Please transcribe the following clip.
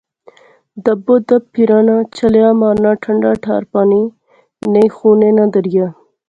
ربو دب پھرانا، چھلیا مارنا ٹھںڈا ٹھار پانی، نئیں خونے ناں دریا